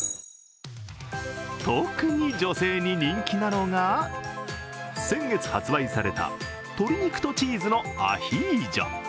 特に女性に人気なのが、先月発売された鶏肉とチーズのアヒージョ。